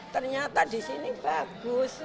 ternyata di sini bagus